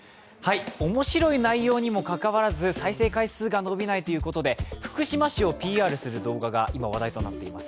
面白い内容にもかかわらず再生回数が伸びないということで福島市をＰＲする動画が今、話題となっています。